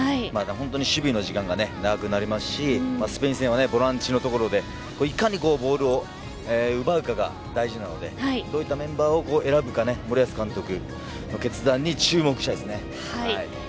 本当に守備の時間が長くなりますしスペイン戦はボランチのところでいかにボールを奪うかが大事なのでどういったメンバーを選ぶか森保監督の決断に注目したいですね。